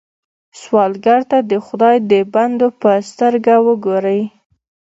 سوالګر ته د خدای د بندو په سترګه وګورئ